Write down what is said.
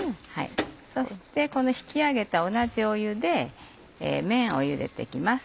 そしてこの引き上げた同じ湯で麺をゆでて行きます。